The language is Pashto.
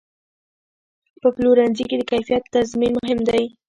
په پلورنځي کې د کیفیت تضمین مهم دی.